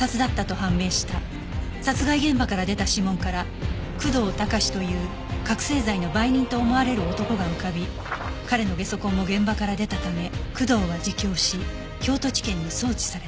殺害現場から出た指紋から工藤貴志という覚せい剤の売人と思われる男が浮かび彼のゲソ痕も現場から出たため工藤は自供し京都地検に送致された